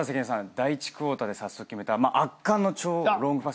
第１クォーターで早速決めた圧巻の超ロングパス